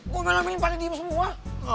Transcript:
gue omel omelin pada dia semua